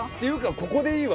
ここでいいわ。